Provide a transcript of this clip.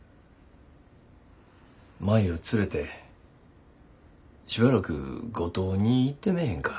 舞を連れてしばらく五島に行ってめぇへんか？